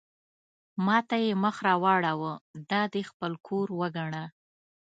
ما ته یې مخ را واړاوه: دا دې خپل کور وګڼه.